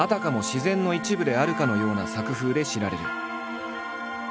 自然の一部であるかのような作風で知られる。